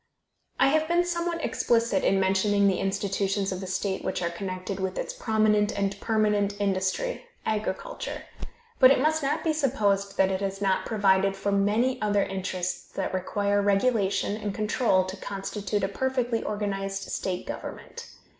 I have been somewhat explicit in mentioning the institutions of the state which are connected with its prominent and permanent industry agriculture; but it must not be supposed that it has not provided for the many other interests that require regulation and control to constitute a perfectly organized state government.